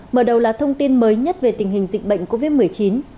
mở đầu là thông tin mới nhất về tình hình dịch bệnh covid một mươi chín